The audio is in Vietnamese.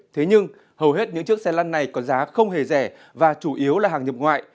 thế nhưng hầu hết những chiếc xe lăn này có giá không hề rẻ và chủ yếu là hàng nhập ngoại